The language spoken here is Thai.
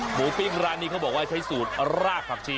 ปิ้งร้านนี้เขาบอกว่าใช้สูตรรากผักชี